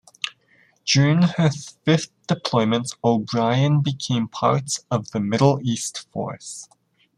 During her fifth deployment, "O'Brien" became part of the Middle East Force.